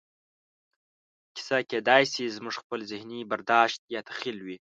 کیسه کېدای شي زموږ خپل ذهني برداشت یا تخیل وي.